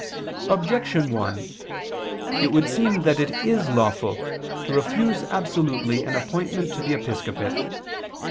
Objection 1: It would seem that it is lawful to refuse absolutely an appointment to the episcopate.